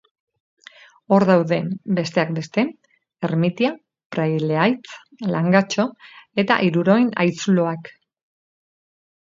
Hor daude, besteak beste, Ermitia, Praileaitz, Langatxo eta Iruroin haitzuloak.